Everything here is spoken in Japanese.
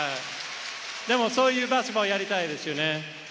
でも、そういうバスケットボールをやりたいですよね。